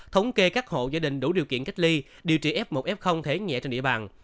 thống kê các hộ gia đình đủ điều kiện cách ly điều trị f một f thấy nhẹ trên địa bàn